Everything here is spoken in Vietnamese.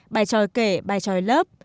bài tròi kể bài tròi lớp